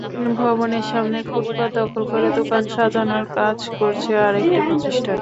ভবনের সামনে ফুটপাত দখল করে দোকান সাজানোর কাজ করছে আরেকটি প্রতিষ্ঠান।